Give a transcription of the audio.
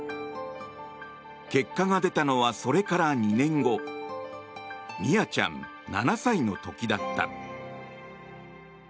結果が出たのはそれから２年後ミアちゃん、７歳の時だった。